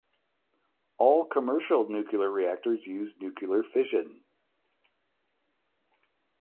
All commercial nuclear reactors use nuclear fission.